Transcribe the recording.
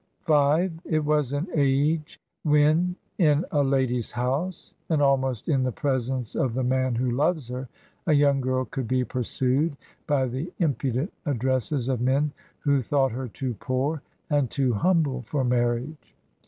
It was an age when in a lady's house, and almost in the presence of the man who loves her, a young girl could be pursued by the impudent addresses of men who thought her too poor and too humble for marriage.